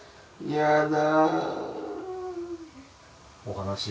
やだ。